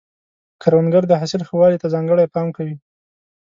کروندګر د حاصل ښه والي ته ځانګړی پام کوي